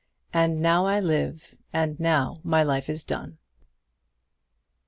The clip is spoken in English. "AND NOW I LIVE, AND NOW MY LIFE IS DONE!"